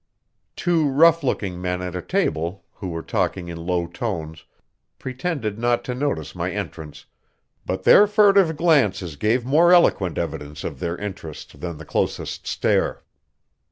Two rough looking men at a table who were talking in low tones pretended not to notice my entrance, but their furtive glances gave more eloquent evidence of their interest than the closest stare.